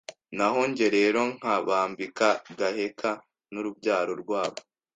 Naho jye rero, nkabambika ngaheka n'urubyaro rwabo